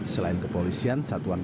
mengenai yang terjadi